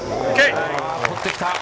取ってきた。